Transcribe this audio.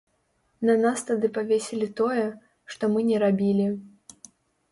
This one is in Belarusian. На нас тады павесілі тое, што мы не рабілі.